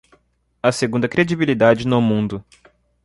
A segunda credibilidade no mundo